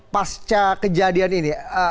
pasca kejadian ini